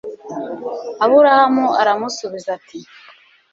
aburahamu aramusubiza ati